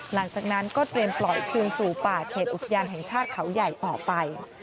หลังจากนั้นก็เตรียมปล่อยคืนสู่ป่าเขตอุทยานแห่งชาติเขาใหญ่ต่อไป